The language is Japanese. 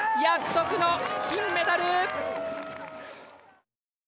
約束の金メダル！